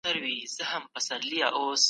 تاسي باید د خپل عزت دپاره هوډمن واوسئ.